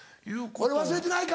「俺忘れてないか？」